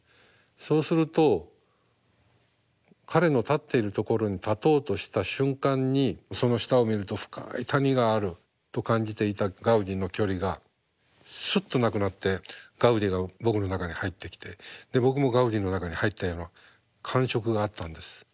そうすると彼の立っているところに立とうとした瞬間にその下を見ると深い谷があると感じていたガウディの距離がすっとなくなってガウディが僕の中に入ってきて僕もガウディの中に入ったような感触があったんです。